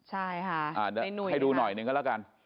ให้ดูหน่อยหนึ่งก็แล้วกัน